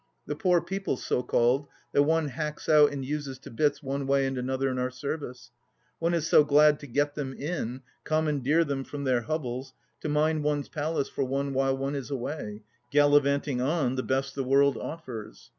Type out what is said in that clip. ... The poor People, so called, that one hacks out and uses to bits one way and another in our service ! One is so glad to get them in, commandeer them from their hovels, to mind one's palace for one while one is away, gallivanting on the best the world offers.